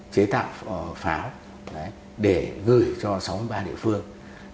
chế tạo pháo để gửi cho sáu mươi ba địa phương